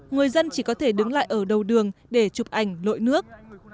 người dân chỉ có thể đứng lại ở đầu đường để chụp ảnh lội nước